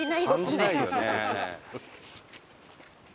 感じないよね。